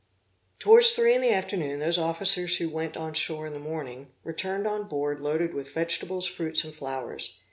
Towards three in the afternoon, those officers who went on shore in the morning, returned on board loaded with vegetables, fruits and flowers.